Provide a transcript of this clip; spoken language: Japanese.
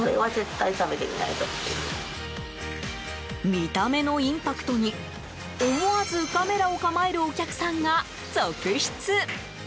見た目のインパクトに、思わずカメラを構えるお客さんが続出。